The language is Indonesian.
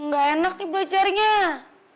ga enak nih belajarnya